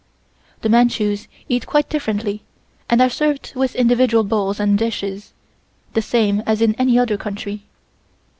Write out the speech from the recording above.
The Manchus eat quite differently and are served with individual bowls and dishes, the same as in any other country.